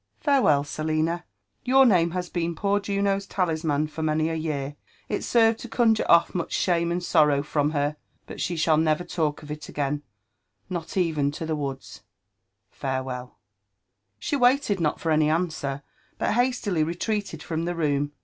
Farewell, Selina I Your name has been poor JdnO's talisman for many a year ; it served to cowjure off isueh shame and sorrow Irdm her. But ishe shall ne^er talk ef it again — not even to the woods. FarewelU" 'She Waited not for any answer, but hastily retreated from the room.